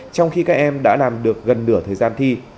trong khi các em đã làm được gần nửa thời gian thi